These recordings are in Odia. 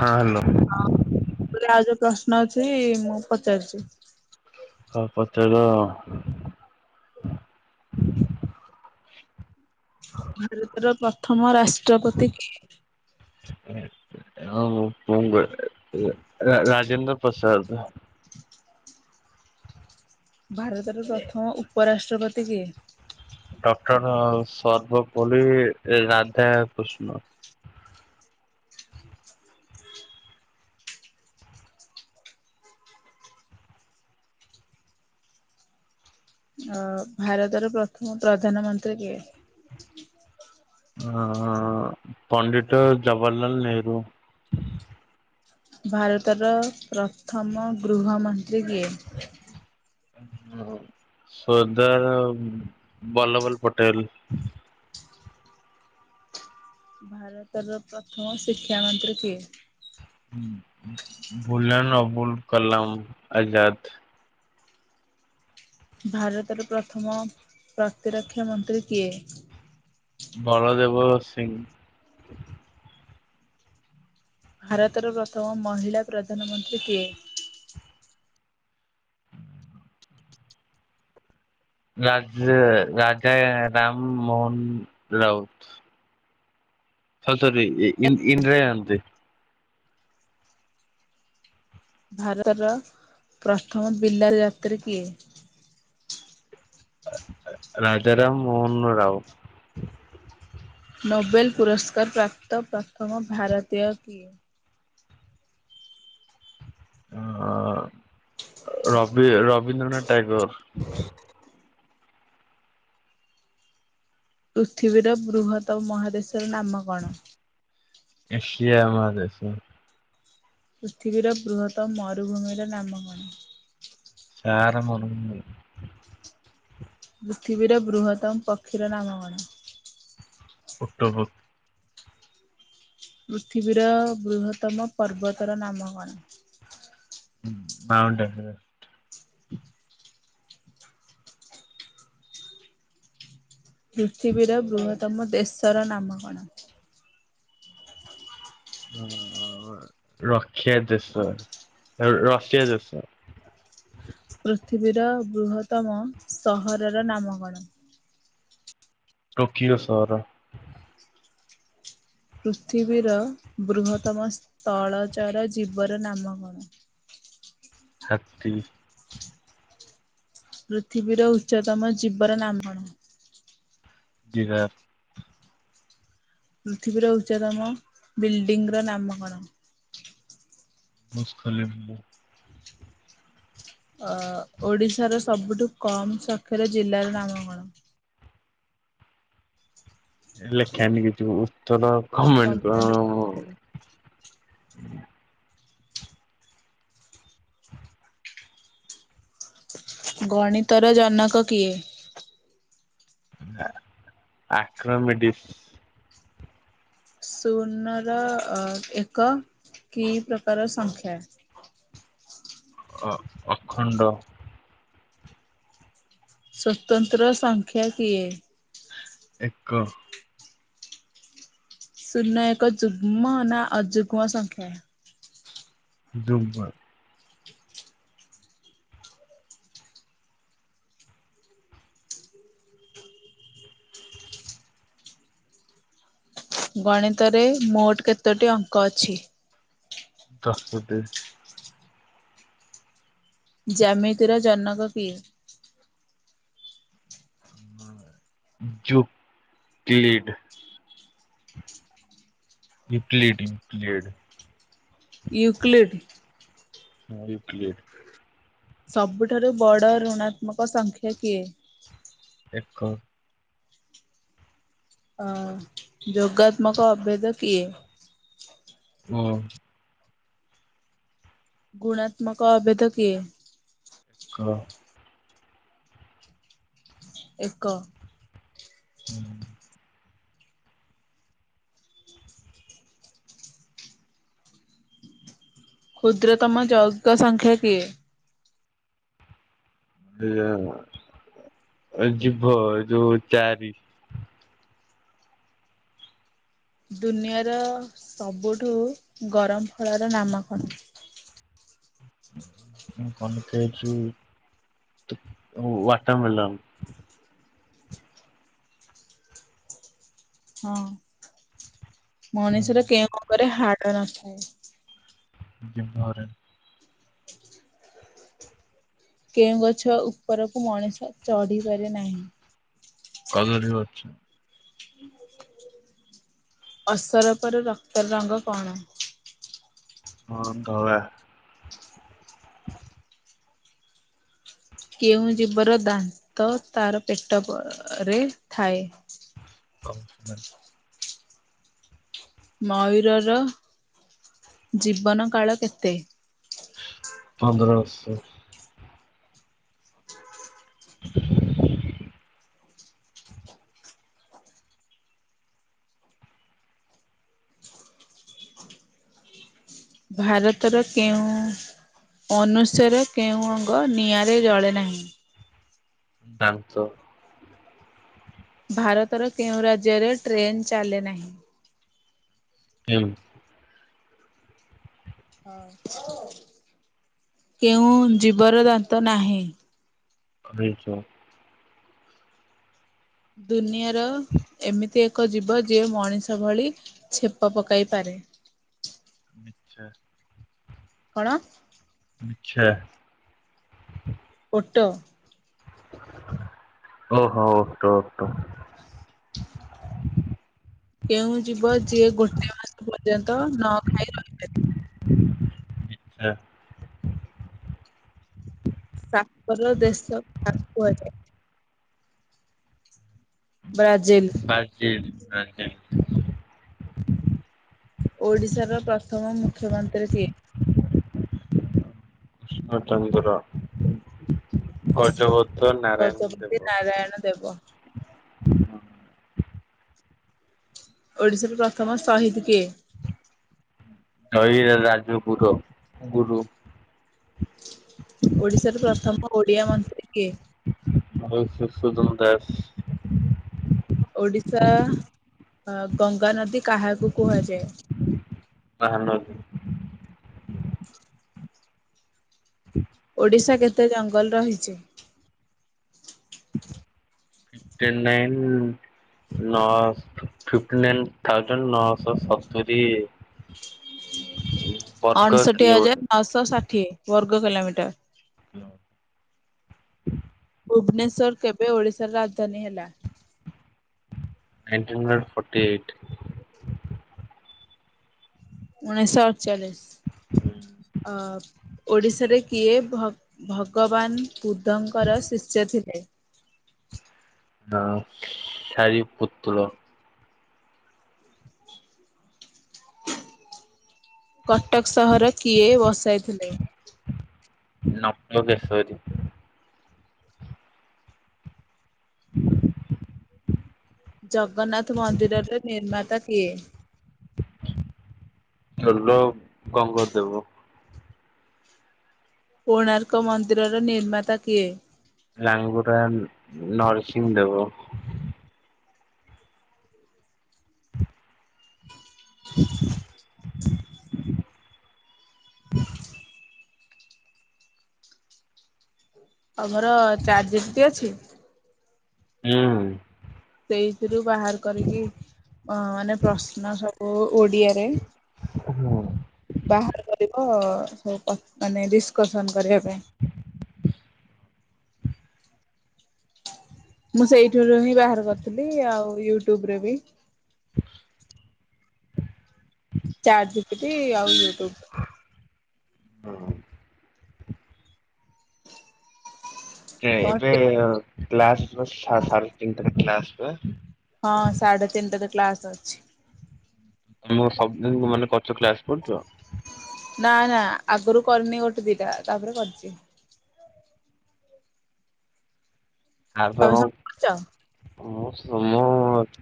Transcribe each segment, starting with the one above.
ହଁ ହାଲୋ। ହଁ ପୁରା ଆଉ ଯୋଉ ପ୍ରଶ୍ନ ଅଛି ମୁଁ ପଚାରୁଚି? ହଁ ପଚାର? ଭାରତର ପ୍ରଥମ ରାଷ୍ଟ୍ରପତି କିଏ? [inaudible] ରା-ରାଜେନ୍ଦ୍ର ପ୍ରସାଦ। ଭାରତର ପ୍ରଥମ ଉପରାଷ୍ଟ୍ରପତି କିଏ? ଡକ୍ଟର ସର୍ବପଲ୍ଲି ରାଧା କୃଷ୍ଣ। ଆଉ ଭାରତର ପ୍ରଥମ ପ୍ରଧାନମନ୍ତ୍ରୀ କିଏ? ଆଁ ପଣ୍ଡିତ ଜବାଲଲାଲ ନେହେରୁ। ଭାରତର ପ୍ରଥମ ଗୃହମନ୍ତ୍ରୀ କିଏ? ସରଦାର ବଲ୍ଲବଲ ପଟେଲ। ଭାରତର ପ୍ରଥମ ଶିକ୍ଷା ମନ୍ତ୍ରୀ କିଏ? ଭୁଲେନ ଅବୁଲ କଲାମ ଆଜାଦ। ଭାରତର ପ୍ରଥମ ପ୍ରତିରକ୍ଷା ମନ୍ତ୍ରୀ କିଏ? ବଳଦେବ ସିଂ। ଭାରତର ପ୍ରଥମ ମହିଳା ପ୍ରଧାନମନ୍ତ୍ରୀ କିଏ? ରାଜେ ରାଜା ରାମ ମୋହନ ରାଉତ। ଆଉ ସରି ଇନ୍ଦିରା ଗାନ୍ଧୀ। ଭାରତର ପ୍ରଥମ ବିଲାତ ଯାତ୍ରୀ କିଏ? ରାଜାରାମ ମୋହନ ରାଓ। ନୋବେଲ ପୁରସ୍କାର ପ୍ରାପ୍ତ ପ୍ରଥମ ଭାରତୀୟ କିଏ? ଅଁ ରବି ରବୀନ୍ଦ୍ରନାଥ ଟାଗୋର। ପୃଥିବୀର ବୃହତ ମହାଦେଶର ନାମ କଣ? ଏସିଆ ମହାଦେସ। ପୃଥିବୀର ବୃହତ ମରୁଭୂମିର ନାମ କଣ? ସାହାରା ମରୁଭୁମି। ପୃଥିବୀର ବୃହତ୍ତମ ପକ୍ଷୀର ନାମ କଣ? ଓଟ ପକ୍ଷୀ। ପୃଥିବୀର ବୃହତ୍ତମ ପର୍ବତର ନାମ କଣ? ମାଉଁଟେନ୍ ଏଭ ପୃଥିବୀର ବୃହତ୍ତମ ଦେଶର ନାମ କଣ? ହ। ରକ୍ଷଆ ଜୋଶର। ରସିଆ ଦେଶ। ପୃଥିବୀର ବୃହତମ ସହରର ନାମ କଣ? ଟୋକିଓ ସହର। ପୃଥିବୀର ବୃହତ୍ତମ ସ୍ଥଳ ଚର ଜୀବର ନାମ କଣ? ହାତୀ। ପୃଥିବୀର ଉଚ୍ଚତମ ଜୀବର ନାମ କଣ? ଜିରାଫ। ପୃଥିବୀର ଉଚ୍ଚତମ ବିଲ୍ଡିଂ ର ନାମ କଣ? Burj Khalifa. ଓଡ଼ିଶାର ସବୁଠୁ କମ୍ ସକ୍ଷ୍ୟର ଜିଲ୍ଲାର ନାମ କଣ? ଲେଖା ହେଇନି କିଛିି ବି ଉତ୍ତର କମେଣ୍ଟ କମ୍ପ୍ଲେଣ୍ଟ କରିଥିଲେ। ଗଣିତର ଜନକ କିଏ? ଆକ୍ରୋମେଟିସ୍। ଶୂନ ର, ଏକ କି ପ୍ରକାର ସଂଖ୍ୟା? ଅ ଅଖଣ୍ଡ। ସ୍ଵତନ୍ତ୍ର ସଂଖ୍ୟା କିଏ? ଏକ। ଶୁନ ଏକ ଯୁଗ୍ମ ନା ଅଯୁଗ୍ମ ସଂଖ୍ୟା। ଯୁଗ୍ମ। ଗଣିତରେ ମୋଟ କେତୋଟି ଅଙ୍କ ଅଛି? ଦସୋ ଟି। ଜ୍ୟାମିତିର ଜନକ କିଏ? ଯୁକ୍ଲିଡ଼। ୟୁକ୍ଲିଡ କ୍ଲିଡ। ୟୁକ୍ଲିଡ଼୍। ହଁ ୟୁକ୍ଲିଡ। ସବୁଠାରୁ ବଡ଼ ଋଣାତ୍ମକ ସଂଖ୍ୟା କିଏ? ଏକ। ଅ ଯୋଗାତ୍ମକ ଅଭେଦ କିଏ? ମୁଁ। ଗୁଣାତ୍ମକ ଅଭେଦ କିଏ? କ ଏକ। କ୍ଷୁଦ୍ରତମ ଯୌଗିକ ସଂଖ୍ୟା କିଏ? ଜିଭ ଯୋଉ ଚାରି। ଦୁନିଆର ସବୁଠୁ ଗରମ ଫଳର ନାମ କଣ? କଣ ଲେଖା ହେଇଚି ୱାଟରମିଲନ୍। ହଁ ମଣିଷର କେଉଁ ଅଙ୍ଗରେ ହାଡ ନଥାଏ? ଜିଭରେ। କେଉଁ ଗଛ ଉପରକୁ ମଣିଷ ଚଢି ପାରେ ନାହିଁ? କଦଳୀ ଗଛ। ଅସରପାର ରକ୍ତର ରଙ୍ଗ କଣ? ହଁ ଧଳା। କେଉଁ ଜୀବର ଦାନ୍ତ ତର ପେଟରେ ଥାଏ? [inaudible] ମୟୂରର ଜୀବନ କାଳ କେତେ? ପନ୍ଦର ବର୍ଷ। [unintelligible] ଭାରତର କେଉଁ ଅନୁଷ୍ୟର କେଉଁ ଅଙ୍ଗ ନିଆଁରେ ଜଳେ ନାହିଁ? ଦାନ୍ତ। ଭାରତର କେଉଁ ରାଜ୍ୟରେ ଟ୍ରେନ୍ ଚାଲେ ନାହିଁ? [inaudible] କେଉଁ ଜୀବର ଦାନ୍ତ ନାହିଁ? କଇଁଛ। ଦୁନିଆର ଏମିତି ଏମିତି ଏକ ଜୀବ ଯିଏ ମଣିଷ ଭଳି ଚେପ ପକେଇ ପାରେ? ବିଛା। କଣ? ବିଛା। ଓଟ। ଓହୋଃ ଓଟ-ଓଟ। କେଉଁ ଯିବ ଯିଏ ଗୋଟିଏ ମାସ ପର୍ଯ୍ୟନ୍ତ ନ ଖାଇ ରହି ବିଛା। ସାପର ଦେଶ କାହାକୁ କୁହାଯାଏ? ବ୍ରାଜିଲ। Brazil Brazil. ଓଡିଶାର ପ୍ରଥମ ମୁଖ୍ୟମନ୍ତ୍ରୀ କିଏ? ନଟ ମନ୍ଦିର [unintelligible] ନାରାୟଣ ଗଜପତି ଦେବ। ନାରାୟଣ ଦେବ। ହଁ। ଓଡ଼ିଶାର ପ୍ରଥମ ଶହୀଦ୍ କିଏ? ଜୟୀ ରା ରାଜଗୁରୁ ଗୁରୁ ଓଡ଼ିଶାର ପ୍ରଥମ ଓଡ଼ିଆ ମନ୍ତ୍ରୀ କିଏ? ମଧୁସୂଦନ ଦାସ। ଓଡିଶା ଅ ଗଙ୍ଗା ନଦୀ କାହାକୁ କୁହାଯାଏ? ମହାନଦୀ। ଓଡ଼ିଶା କେତେ ଜଙ୍ଗଲ ରହିଛି? ଫିଫ୍ଟିନ ନାଇନ୍ ନଅ ଶ‌ ଫିଫ୍ଟି ନାଇନ ଥାଉଜେଣ୍ଡ ନଅ ଶହ ସତୁରି। ବର୍ଗ ଅଣଷଠି କିଲୋମିଟର। ହଜାର ନଅ ଶହ ଷାଠିଏ ବର୍ଗ କିଲୋମିଟର। [inaudible] ଭୁବନେଶ୍ୱର କେବେ ଓଡ଼ିଶାର ରାଜଧାନୀ ହେଲା? Nineteen hundred forty eight. ଉଣେଇଶ ଅଡଚାଳିଶ ଅ-ଅ ଓଡ଼ିଶାରେ କିଏ ଭଗ୍ ଭଗବାନ ବୁଦ୍ଧଙ୍କର ଶିଷ୍ୟ ଥିଲେ? ହଁ ସାରିପୁତ୍ର। କଟକ ସହର କିଏ ବସାଇଥିଲେ? ନପକେଶରୀ। [unintelligible] ଜଗନ୍ନାଥ ମନ୍ଦିରରେ ନିର୍ମାତା କିଏ? ଚୋଲ ଗଙ୍ଗଦେବ। କୋଣାର୍କ ମନ୍ଦିରର ନିର୍ମାତା କିଏ? ଲାଙ୍ଗୁଳା ନରସିଂହ ଦେବ। [unintelligible] ତମର ଚାଟ୍ ଜିପିଟି ଅଛି? ହୁଁ। ସେଇଥିରୁ ବାହାର କରିକି ଅଁ-ଅଁ ମାନେ ପ୍ରଶ୍ନସବୁ ଓ ଓଡ଼ିଆରେ ବାହାର କରିବ [inaudible] ମାନେ ଡିସ୍କସନ୍ କରିବା ପାଇଁ ମୁଁ ସେଇଠୁରୁ ହିଁ ବାହାର କରିଥିଲି ଆଉ ୟୁଟ୍ୟୁବରେ ବି। ଚାଟ୍ ଜିପିଟି ଆଉ ୟୁଟ୍ୟୁବ। ହୁଁ। ଏବେ କ୍ଲାସ ସାଢେ଼ ତିନିଟାରେ କ୍ଲାସ ହୁଏ। ହଁ ସାଢେ଼ ତିନିଟାରେ କ୍ଲାସ ଅଛି। ସବୁଦିନ ମାନେ କରୁଚ କ୍ଲାସ କରୁଛ? ନା ନା, ଆଗରୁ କରିନି ଗୋଟେ ଦିଟା ତାପରେ କରିଛି। ଆ ତମେ ସବୁ କରିଛ? ହଁମ ସୋମ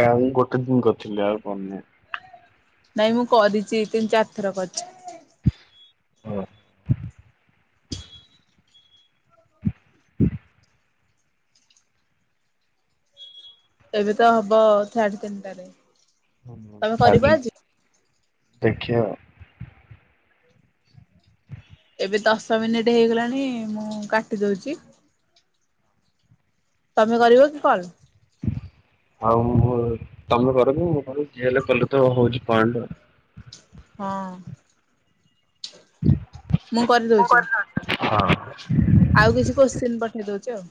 କାକୁ ଗୋଟେ ଦିନ କରିଥିଲି ଆଉ କରିନି। ନାଇଁ ମୁଁ କରିଚି, ତିନି ଚାରି ଥର କରିଚି। ହଁ ଏବେ ତ ହବ ସାଢେ ତିନିଟାରେ। ତମେ କରିବ ହୁଁ ଆଜି? ଦେଖିଆ ଆଉ ଏବେ ଦଶ ମିନିଟ ହେଇଗଲାଣି ମୁଁ କାଟି ଦଉଛି। ତମେ କରିବ କି କଲ? ଆଉ ତମେ କରକି ମୁଁ କରେ, ଯିଏ ହେଲେ କଲେ ତ ହଉଛି ପଏଣ୍ଡ। ହଁ। ମୁଁ କରିଦଉଛି। ହଁ। ଆଉ କିଛି କୋଶ୍ଚିନ୍ ପଠେଇ ଦଉଛି ଆଉ?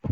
ହ